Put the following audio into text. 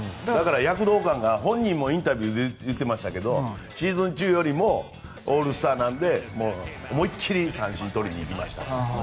本人もインタビューで言ってましたけどシーズン中よりもオールスターなので思い切り三振とりにいきましたと。